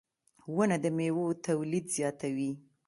• ونه د میوو تولید زیاتوي.